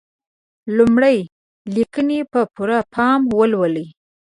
لمړی: لیکنې په پوره پام ولیکئ.